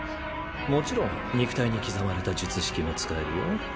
もちろん肉体に刻まれた術式も使えるよ。